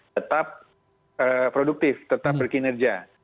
tetap produktif tetap berkinerja